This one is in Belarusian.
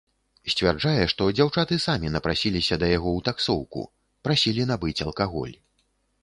Сцвярджае, што дзяўчаты самі напрасіліся да яго ў таксоўку, прасілі набыць алкаголь.